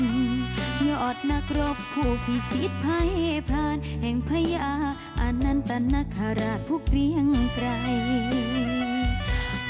หยอดนครบผู้พิชิตไผ้พาลแห่งพระยาอานตนักฮาราชผู้เครียงใกล้